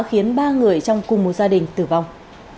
khiến ba người trong cùng một gia đình tử vong